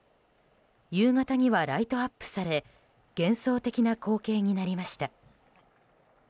夕方にはライトアップされ幻想的な光景になりました。